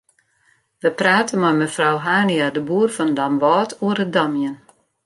We prate mei mefrou Hania-de Boer fan Damwâld oer it damjen.